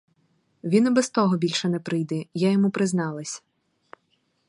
Він і без того більше не прийде: я йому призналась.